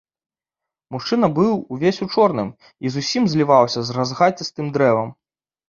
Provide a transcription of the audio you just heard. Мужчына быў увесь у чорным і зусім зліваўся з разгацістым дрэвам.